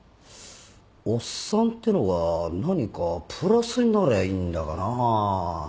おっさんってのが何かプラスになりゃいいんだがなぁ。